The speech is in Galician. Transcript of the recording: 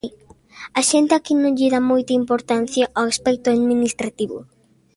A xente aquí non lle dá moita importancia ao aspecto administrativo.